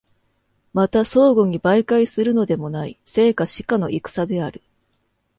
また相互に媒介するのでもない、生か死かの戦である。